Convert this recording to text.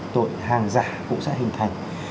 tội hàng giả cũng sẽ hình thành